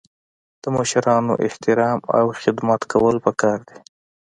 د مشرانو احترام او خدمت کول پکار دي.